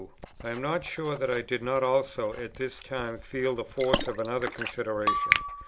I am not sure that I did not also at this time feel the force of another consideration.